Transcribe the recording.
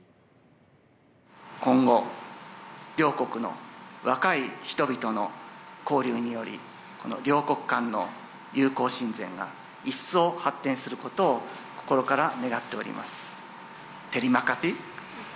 今後、両国の若い人々の交流により、この両国間の友好親善が一層発展することを心から願っております。